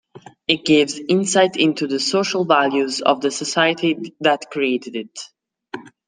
It gives insight into the social values of the society that created it.